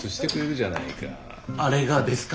あれがですか？